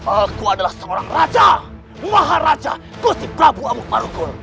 aku adalah seorang raja maharaja gusti prabu amuk marugol